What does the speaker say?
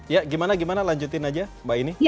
ya gimana gimana lanjutin aja mbak ini